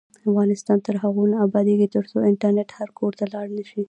افغانستان تر هغو نه ابادیږي، ترڅو انټرنیټ هر کور ته لاړ نشي.